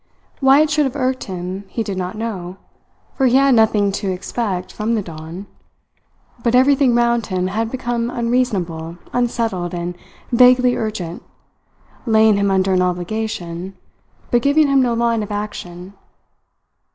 Why it should have irked him he did not know, for he had nothing to expect from the dawn; but everything round him had become unreasonable, unsettled, and vaguely urgent, laying him under an obligation, but giving him no line of action.